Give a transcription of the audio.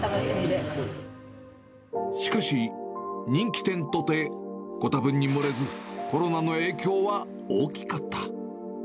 しかし、人気店とて御多分にもれず、コロナの影響は大きかった。